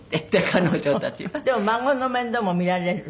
でも孫の面倒も見られる？